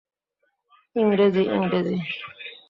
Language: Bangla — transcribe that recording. ইংরেজি, ইংরেজি।